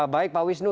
baik pak wisnu